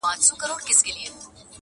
دړي وړي زړه مي رغومه نور -